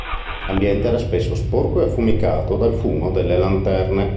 L'ambiente era spesso sporco e affumicato dal fumo delle lanterne.